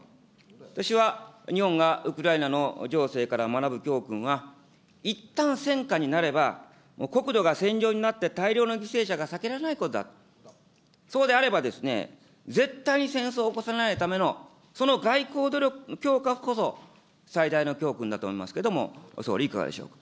私は日本がウクライナの情勢から学ぶ教訓は、いったん戦火になれば、国土が戦場になって、大量の犠牲者が避けられないことだ、そうであればですね、絶対に戦争を起こさないための、その外交努力、強化こそ、最大の教訓だと思いますけれども、総理、いかがでしょ